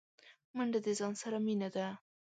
منډه د ځان سره مینه ده